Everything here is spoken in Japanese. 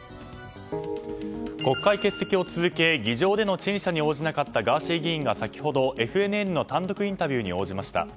国会欠席を続け議場での陳謝に応じなかったガーシー議員が先ほど、ＦＮＮの単独インタビューに応じました。